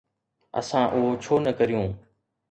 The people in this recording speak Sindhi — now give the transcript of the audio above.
اسان اهو ڇو نه ڪريون؟